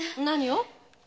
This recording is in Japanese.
何を？